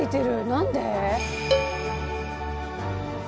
何で？